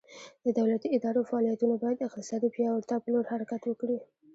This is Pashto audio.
د دولتي ادارو فعالیتونه باید د اقتصادي پیاوړتیا په لور حرکت وکړي.